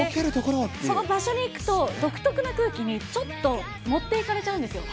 その場所に行くと、独特な空気に、ちょっと持っていかれちゃうんですよ。